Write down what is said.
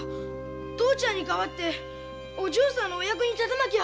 父ちゃんに代わってお嬢さんのお役に立たなきゃ。